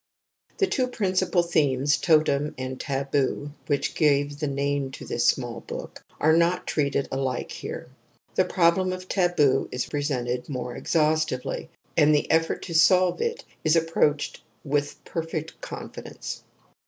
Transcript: The two principal themes, totem and taboo, which give the name to this small book are not treated alike here. The problgrnoftaboo^ ►resentedmOTeexhaust^^ to is approached with perfect confidence.